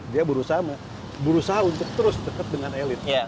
dia berusaha untuk terus dekat dengan elit